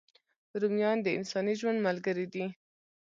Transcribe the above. رومیان د انساني ژوند ملګري دي